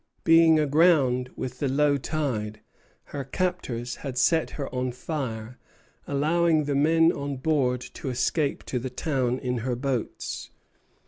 Being aground with the low tide, her captors had set her on fire, allowing the men on board to escape to the town in her boats.